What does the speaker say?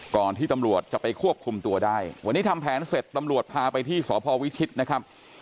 ก่อนที่ตำรวจจะไปควบคุมตัวได้วันนี้ทำแผนเสร็จตำรวจพาไปที่สพวิชิตนะครับ